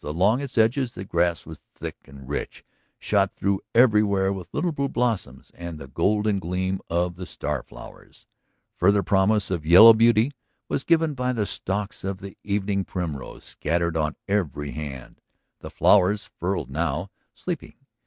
Along its edges the grass was thick and rich, shot through everywhere with little blue blossoms and the golden gleam of the starflowers. Further promise of yellow beauty was given by the stalks of the evening primrose scattered on every hand, the flowers furled now, sleeping.